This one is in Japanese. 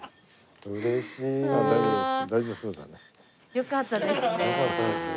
よかったですね。